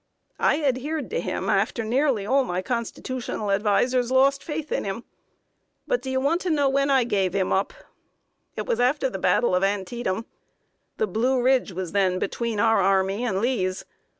I adhered to him after nearly all my Constitutional advisers lost faith in him. But do you want to know when I gave him up? It was after the battle of Antietam. The Blue Ridge was then between our army and Lee's.